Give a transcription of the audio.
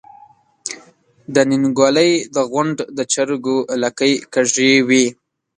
د نينګوَلۍ د غونډ د چرګو لکۍ کږې وي۔